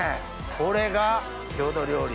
これが郷土料理。